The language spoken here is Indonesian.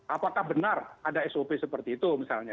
apakah benar ada sop seperti itu misalnya